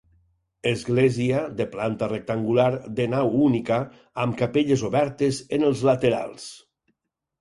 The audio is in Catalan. Església, de planta rectangular, de nau única, amb capelles obertes en els laterals.